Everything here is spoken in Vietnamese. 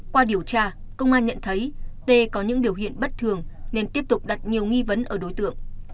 qua điều tra công an nhận thấy tê có những biểu hiện bất thường nên tiếp tục đặt nhiều nghi vấn ở đối tượng